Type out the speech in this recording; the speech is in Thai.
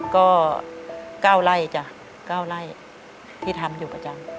ก็เก้าไร่จ๊ะเก้าไร่ที่ทำอยู่ประจำ